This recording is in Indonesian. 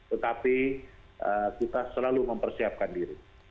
tetapi kita selalu mempersiapkan diri